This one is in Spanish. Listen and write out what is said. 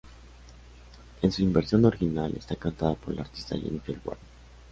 En su versión original está cantada por la artista Jennifer Warnes.